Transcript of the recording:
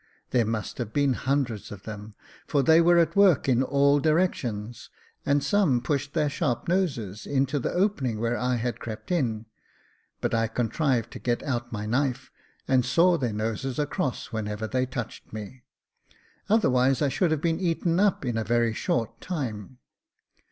There must have been hundreds of them, for they were at work in all directions, and some pushed their sharp noses into the opening where I had crept in ; but I contrived to get out my knife and saw their noses across whenever they touched me, otherwise I should have been eaten up in a very short time.